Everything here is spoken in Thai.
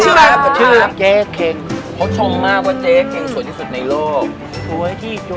เจ๊เค้งเค้าชมมากว่าเจ๊เค้งสวยที่สุดในโลก